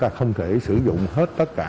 chúng ta không thể sử dụng hết tất cả